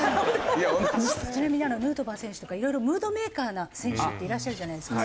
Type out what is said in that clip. ちなみにヌートバー選手とかいろいろムードメーカーな選手っていらっしゃるじゃないですか。